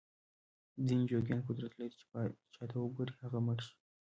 ځینې جوګیان قدرت لري چې چاته وګوري هغه مړ شي.